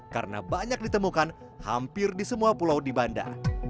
karena banyak ditemukan hampir di semua pulau di banda